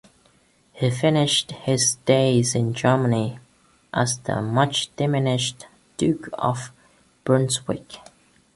He finished his days in Germany, as the much-diminished Duke of Brunswick.